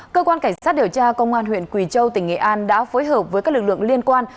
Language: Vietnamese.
cơ quan cảnh sát điều tra công an huyện quỳ châu tỉnh nghệ an đã phối hợp với các lực lượng liên quan